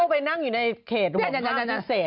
เข้าไปนั่งอยู่ในเขตหัวข้างที่เศษ